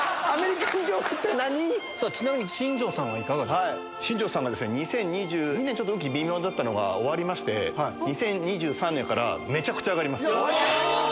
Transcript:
ちなみに、新庄さんはいかが新庄さんは２０２２年、ちょっと運気微妙だったのが終わりまして、２０２３年から、よっしゃー！